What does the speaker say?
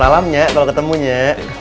salamnya kalau ketemunya